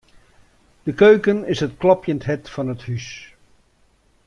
De keuken is it klopjend hert fan it hús.